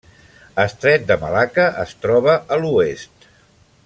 Estret de Malacca es troba a l'oest.